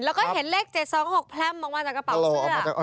แล้วก็เห็นเลข๗๒๖แพร่มออกมาจากกระเป๋าเสื้อ